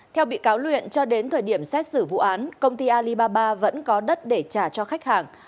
theo bị cáo luyện cho đến thời điểm xét xử vụ án công ty alibaba vẫn có đất để trả cho khách hàng